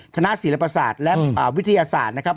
คณะศิลปศาสตร์และวิทยาศาสตร์นะครับ